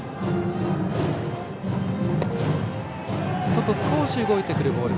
外、少し動いてくるボール